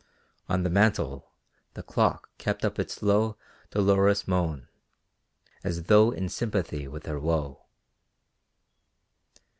On the mantel the clock kept up its low, dolorous moan, as though in sympathy with her woe.